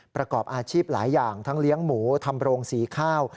ประกอบอาชีพหลายอย่างทั้งเลี้ยงหมูทำโรงสีข้าว